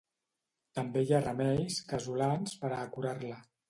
També hi ha remeis casolans per a "curar-la".